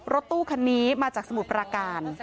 รถตู้คันนี้มาจากสมุทรปราการ